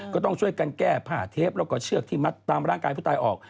ก็ต้องช่วยกันแก้ผ้าเทปแล้วก็เชือกที่มัดตามร่างกายผู้ตายออก